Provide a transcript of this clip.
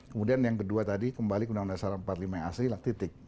kemudian yang kedua tadi kembali ke undang undang dasar empat puluh lima yang asli titik